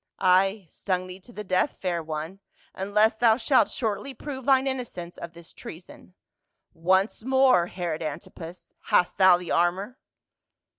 " Ay, stung thee to the death, fair one, unless thou shalt shortly prove thine innocence of this treason. Once more, Herod Antipas, hast thou the armor?"